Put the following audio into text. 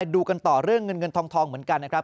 ดูกันต่อเรื่องเงินเงินทองเหมือนกันนะครับ